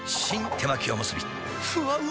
手巻おむすびふわうま